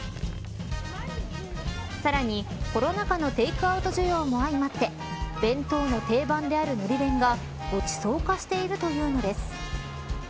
さらにコロナ禍のテークアウト需要も相まって弁当の定番である海苔弁がごちそう化しているというのです。